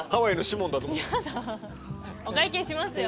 お会計しますよ。